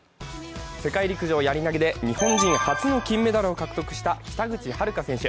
世界陸上やり投げで日本人初の金メダルを獲得した北口榛花選手。